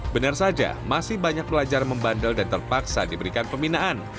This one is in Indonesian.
benar saja masih banyak pelajar membandel dan terpaksa diberikan pembinaan